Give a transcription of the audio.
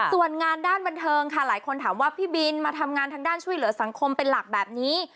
ส่วนงานด้านบันเทิงค่ะหลายคนถามว่าพี่บินมาทำงานทางด้านช่วยเหลือสังคมเป็นหลักแบบนี้